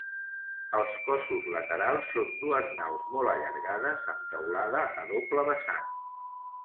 Els cossos laterals són dues naus molt allargades amb teulada a doble vessant.